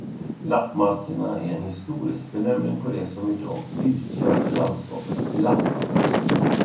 Lappmarkerna är en historisk benämning på det som i dag utgör landskapet Lappland.